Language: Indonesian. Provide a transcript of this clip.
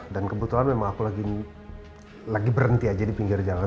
dan kebetulan memang aku lagi berhenti aja di pinggir jalan